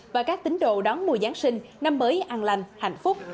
và các tín đồ đón mùa giáng sinh năm mới an lành hạnh phúc